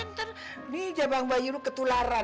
ntar nih jabang bayi lu ketularan